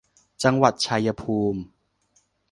จังหวัดชัยภูมิ